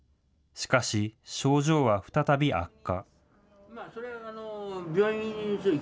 しかし、症状は再び悪化。